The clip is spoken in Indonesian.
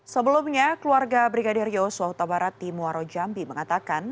sebelumnya keluarga brigadier yosua utabarat timuaro jambi mengatakan